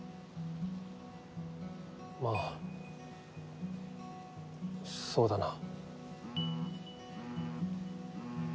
まあそうだな。